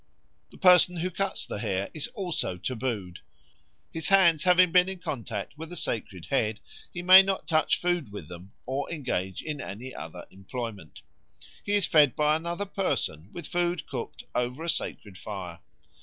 The person who cuts the hair is also tabooed; his hands having been in contact with a sacred head, he may not touch food with them or engage in any other employment; he is fed by another person with food cooked over a sacred fire.